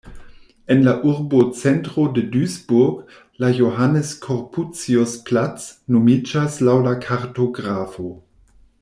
En la urbocentro de Duisburg la "Johannes-Corputius-Platz" nomiĝas laŭ la kartografo.